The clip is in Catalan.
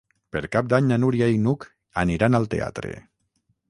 Per Cap d'Any na Núria i n'Hug aniran al teatre.